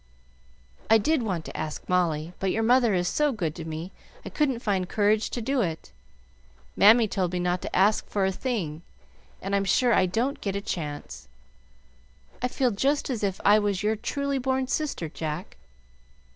"I did want to ask Molly, but your mother is so good to me I couldn't find courage to do it. Mammy told me not to ask for a thing, and I'm sure I don't get a chance. I feel just as if I was your truly born sister, Jack."